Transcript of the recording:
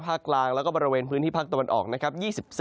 กลางแล้วก็บริเวณพื้นที่ภาคตะวันออกนะครับ